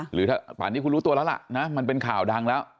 หรือถ้าป่านนี้คุณรู้ตัวแล้วล่ะนะมันเป็นข่าวดังแล้ว